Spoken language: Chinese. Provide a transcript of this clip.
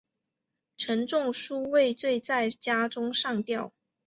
陈仲书畏罪在家中上吊。